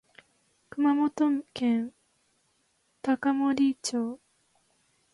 熊本県高森町